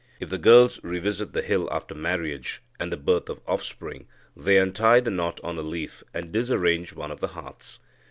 If the girls revisit the hill after marriage and the birth of offspring, they untie the knot on a leaf, and disarrange one of the hearths.